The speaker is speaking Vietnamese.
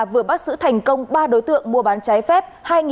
vừa bắt giữ thành công ba đối tượng mua bán trái phép